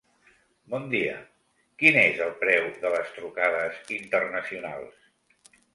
Bon dia, quin és el preu de les trucades internacionals?